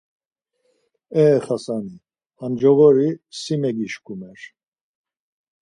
E Xasani, ha coğori si megişkumer.